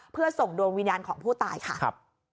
เพื่อส่งดวงวิญญาณของผู้ตายค่ะครับ